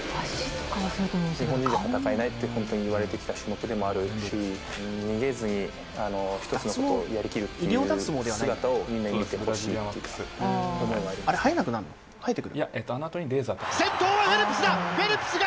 日本人じゃ戦えないと本当に言われてきた種目でもあるし、逃げずに、一つのことをやりきるっていう姿をみんなに見てほしいなという思先頭はフェルプスだ。